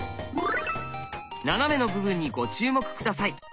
斜めの部分にご注目下さい。